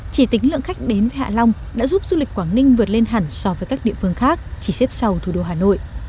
chỉ tính lượng khách đến với hạ long đã giúp du lịch quảng ninh vượt lên hẳn so với các địa phương khác chỉ xếp sau thủ đô hà nội